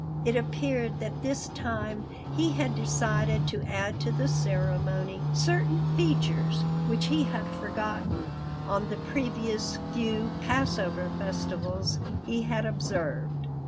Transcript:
It appeared that this time he had decided to add to the ceremony certain features which he had foregone on the previous few Passover festivals he had observed.